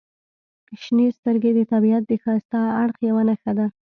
• شنې سترګې د طبیعت د ښایسته اړخ یوه نښه ده.